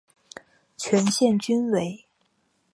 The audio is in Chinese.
全线均为。